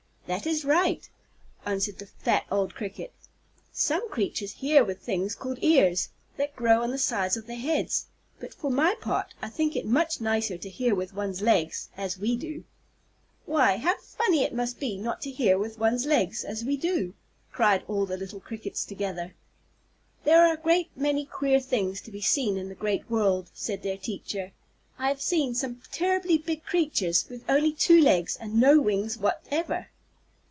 "That is right," answered the fat old Cricket. "Some creatures hear with things called ears, that grow on the sides of their heads, but for my part, I think it much nicer to hear with one's legs, as we do." "Why, how funny it must be not to hear with one's legs, as we do," cried all the little Crickets together. "There are a great many queer things to be seen in the great world," said their teacher. "I have seen some terribly big creatures with only two legs and no wings whatever."